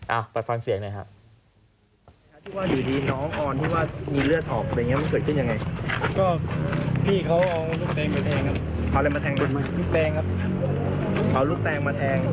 อ้าวปรับฟังเสียงหน่อยครับ